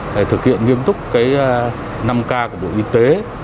để thực hiện nghiêm túc năm k của bộ y tế